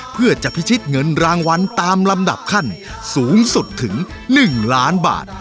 เพื่อจะพิชิตเงินรางวัลตามลำดับขั้นสูงสุดถึง๑ล้านบาท